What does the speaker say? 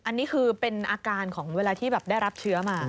อันนี้คือเป็นอาการของเวลาที่แบบได้รับเชื้อมา